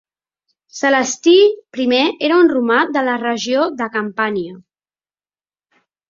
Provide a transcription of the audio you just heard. Celestí I era un romà de la regió de Campània.